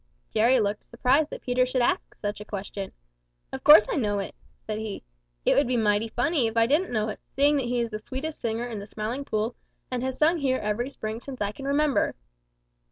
Jerry looked surprised that Peter should ask such a question. "Of course I know it," said he. "It would be mighty funny if I didn't know it, seeing that he is the sweetest singer in the Smiling Pool and has sung here every spring since I can remember."